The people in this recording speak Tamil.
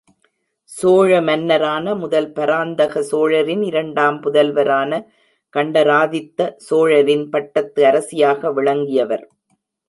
சோழ மன்னரான முதல் பராந்தக சோழரின் இரண்டாம் புதல்வரான கண்டராதித்த சோழரின் பட்டத்து அரசியாக விளங்கியவர்.